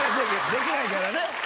できないからね。